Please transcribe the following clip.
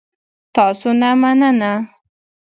تاسو نه مننه